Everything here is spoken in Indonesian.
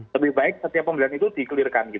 lebih baik setiap pembelian itu di clearkan